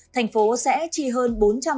thành phố sẽ chi hơn